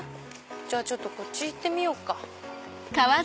じゃあこっち行ってみようか。